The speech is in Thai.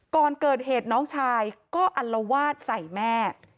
ก่อนเกิดเหตุน้องชายก็อัลวาดใส่แม่